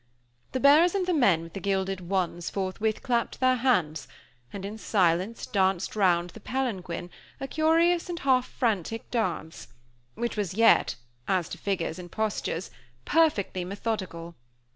The bearers and the men with the gilded wands forthwith clapped their hands, and in silence danced round the palanquin a curious and half frantic dance, which was yet, as to figures and postures, perfectly methodical.